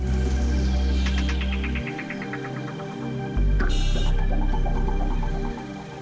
kompleks permukiman pada tengah dari kerawakan